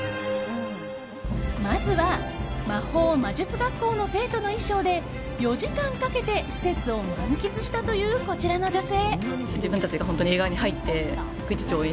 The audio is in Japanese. まずは魔法魔術学校の生徒の衣装で４時間かけて施設を満喫したという、こちらの女性。